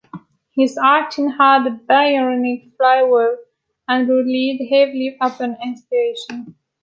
His acting had a Byronic flavour and relied heavily upon inspiration.